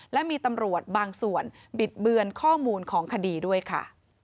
และมีตำรวจบางส่วนบิดเบือนข้อมูลของคดีด้วยค่ะ